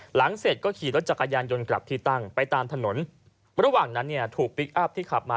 เสร็จก็ขี่รถจักรยานยนต์กลับที่ตั้งไปตามถนนระหว่างนั้นเนี่ยถูกพลิกอัพที่ขับมา